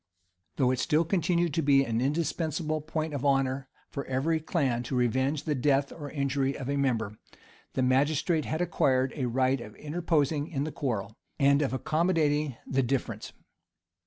Though it still continued to be an indispensable point of honor for every clan to revenge the death or injury of a member, the magistrate had acquired a right of interposing in the quarrel, and of accommodating the difference.